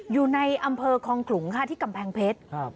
อยู่ในอำเภอคองขลุงค่ะที่กำแพงเพชร